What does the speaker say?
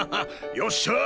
よっしゃあ！